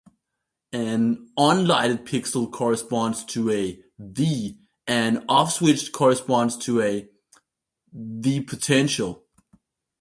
An on-lighted pixel corresponds to a "V", an off-switched corresponds to a "V" potential.